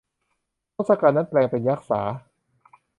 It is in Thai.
ทศกัณฐ์นั้นแปลงเป็นยักษา